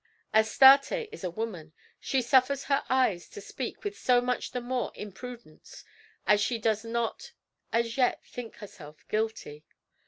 Astarte is a woman: she suffers her eyes to speak with so much the more imprudence, as she does not as yet think herself guilty.